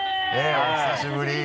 お久しぶり。